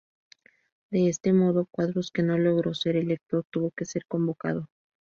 De este modo, Quadros, que no logró ser electo, tuvo que ser convocado.